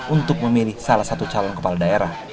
untuk memilih salah satu calon kepala daerah